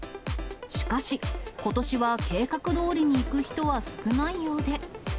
しかし、ことしは計画どおりにいく人は少ないようで。